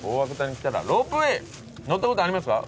乗ったことありますか？